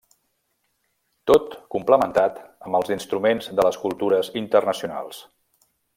Tot complementat amb els instruments de les cultures internacionals.